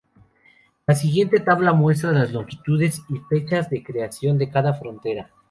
La siguiente tabla muestra las longitudes y fechas de creación de cada frontera.